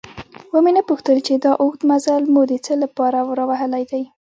ومې نه پوښتل چې دا اوږد مزل مو د څه له پاره راوهلی دی؟